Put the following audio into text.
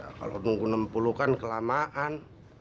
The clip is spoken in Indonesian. ya kalau nunggu enam puluh kan kelamaan